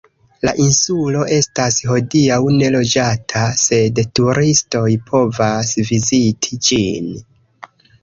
La insulo estas hodiaŭ neloĝata, sed turistoj povas viziti ĝin.